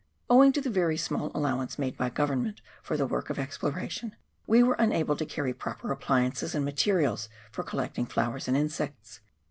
Owing to the very small allowance made by Government for tbe work of exploration, we were unable to carry proper appliances and materials for collecting flowers and insects.